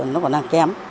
nó còn đang kém